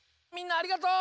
ありがとう！